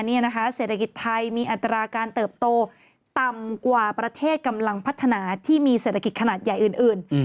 เศรษฐกิจไทยมีอัตราการเติบโตต่ำกว่าประเทศกำลังพัฒนาที่มีเศรษฐกิจขนาดใหญ่อื่น